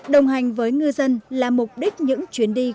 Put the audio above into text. đồng hành với ngư dân là mục đích những chuyến đi